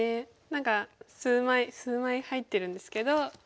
何か数枚入ってるんですけど。